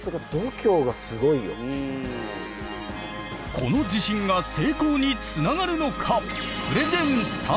この自信が成功につながるのか？